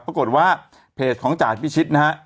ปรากฏว่าเพจของจ่าพิชิตนะฮะ